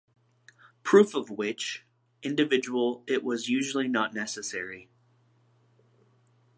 Proof of "which" individual it was is usually not necessary.